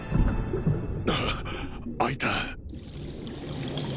あ開いた